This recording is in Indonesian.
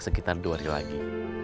sekitar dua hari lagi